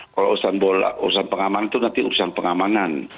kalau urusan pengaman itu nanti urusan pengamanan